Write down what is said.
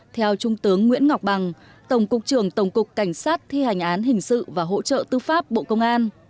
theo trung tướng nguyễn ngọc bằng tổng cục trưởng tổng cục cảnh sát thi hành án hình sự và hỗ trợ tư pháp bộ công an